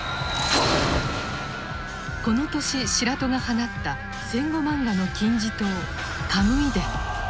この年白土が放った戦後マンガの金字塔「カムイ伝」。